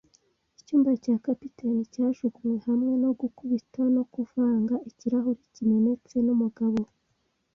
icyumba cya capitaine cyajugunywe hamwe no gukubita no kuvanga ikirahure kimenetse, numugabo